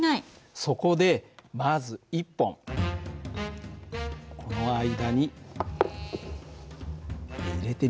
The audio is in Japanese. そこでまず１本この間に入れてみよう。